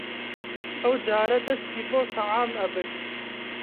ئەوجارە دەستی بۆ تەعام ئەبرد